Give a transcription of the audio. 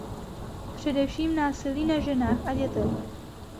Především násilí na ženách a dětech.